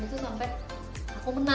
itu sampe aku menang gitu